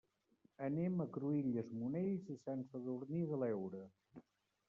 Anem a Cruïlles, Monells i Sant Sadurní de l'Heura.